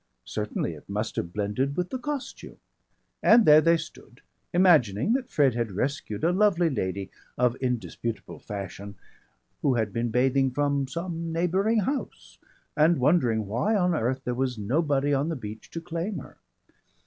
Certainly it must have blended with the costume. And there they stood, imagining that Fred had rescued a lovely lady of indisputable fashion, who had been bathing from some neighbouring house, and wondering why on earth there was nobody on the beach to claim her.